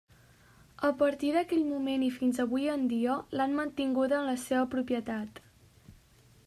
A partir d'aquell moment i fins avui en dia, l'han mantinguda en la seva propietat.